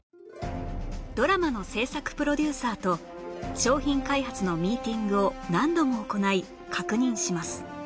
ドラマの制作プロデューサーと商品開発のミーティングを何度も行い確認します